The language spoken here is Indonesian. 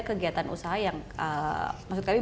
kegiatan usaha yang maksud kami